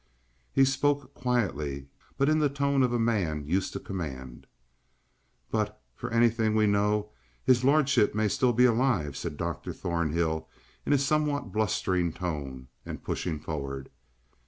He spoke quietly, but in the tone of a man used to command. "But, for anything we know, his lordship may still be alive," said Dr. Thornhill in a somewhat blustering tone, and pushing forward.